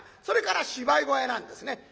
それから芝居小屋なんですね。